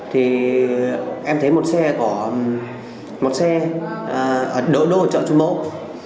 thì em thấy một xe có một xe ở đỗ đô ở chợ chu mẫu